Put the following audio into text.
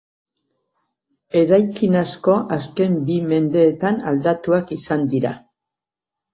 Eraikin asko azken bi mendeetan aldatuak izan dira.